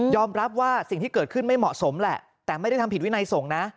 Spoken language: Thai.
รับว่าสิ่งที่เกิดขึ้นไม่เหมาะสมแหละแต่ไม่ได้ทำผิดวินัยส่งนะ